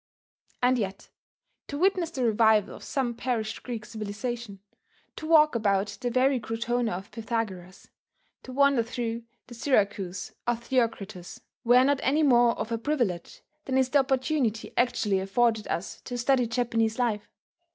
... And yet, to witness the revival of some perished Greek civilization, to walk about the very Crotona of Pythagoras, to wander through the Syracuse of Theocritus, were not any more of a privilege than is the opportunity actually afforded us to study Japanese life.